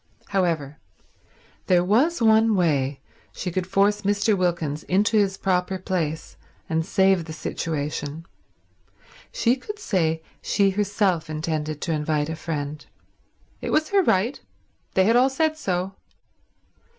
However, there was one way she could force Mr. Wilkins into his proper place and save the situation: she could say she herself intended to invite a friend. It was her right. They had all said so.